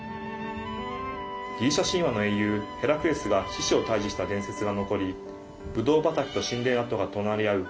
ギリシャ神話の英雄ヘラクレスが獅子を退治した伝説が残りブドウ畑と神殿跡が隣り合う